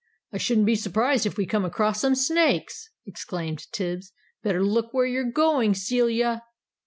"I shouldn't be surprised if we come across some snakes!" exclaimed Tibbs. "Better look where you're going, Celia!"